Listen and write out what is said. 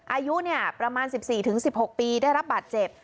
อายุประมาณ๑๔๑๖ปีได้รับบาดเจ็บ